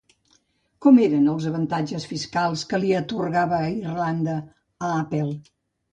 Com eren els avantatges fiscals que li atorgava Irlanda a Apple?